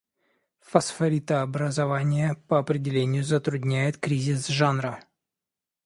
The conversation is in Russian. Фосфоритообразование, по определению, затрудняет кризис жанра.